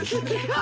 あ！